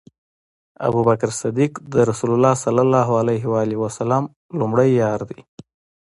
ابوبکر صديق د رسول الله صلی الله عليه وسلم لومړی یار دی